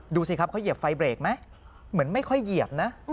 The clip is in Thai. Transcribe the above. ดูสิครับเขาเหยียบไฟเบรกไหมเหมือนไม่ค่อยเหยียบนะ